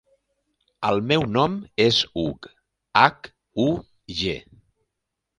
El meu nom és Hug: hac, u, ge.